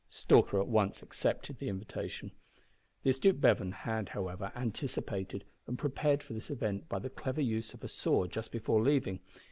Stalker at once accepted the invitation. The astute Bevan had, however, anticipated and prepared for this event by the clever use of a saw just before leaving.